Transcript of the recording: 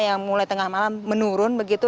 yang mulai tengah malam menurun begitu